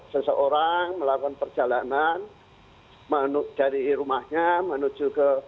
seseorang melakukan perjalanan dari rumahnya menuju ke